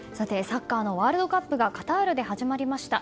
サッカーのワールドカップがカタールで始まりました。